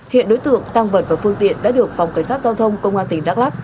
hiện đối tượng tăng vật và phương tiện đã được phòng cảnh sát giao thông công an tỉnh đắk lắc